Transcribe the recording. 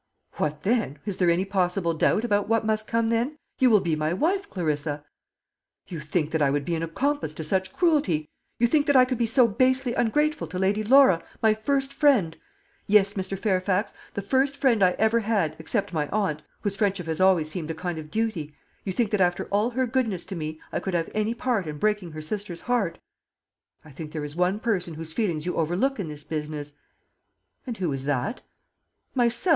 "What then? Is there any possible doubt about what must come then? You will be my wife, Clarissa!" "You think that I would be an accomplice to such cruelty? You think that I could be so basely ungrateful to Lady Laura, my first friend? Yes, Mr. Fairfax, the first friend I ever had, except my aunt, whose friendship has always seemed a kind of duty. You think that after all her goodness to me I could have any part in breaking her sister's heart?" "I think there is one person whose feelings you overlook in this business." "And who is that?" "Myself.